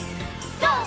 ＧＯ！